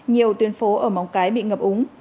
nhiều tuyến phố ở móng cái bị ngập úng